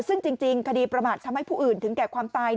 ซึ่งจริงคดีประมาททำให้ผู้อื่นถึงแก่ความตาย